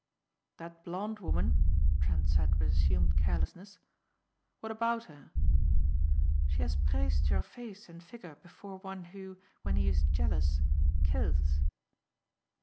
"That blond woman," Trent said with assumed carelessness. "What about her?" "She has praised your face and figure before one who, when he is jealous, kills."